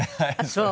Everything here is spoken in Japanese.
そう。